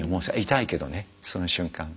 痛いけどねその瞬間。